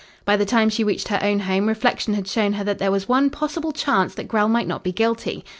"By the time she reached her own home reflection had shown her that there was one possible chance that Grell might not be guilty.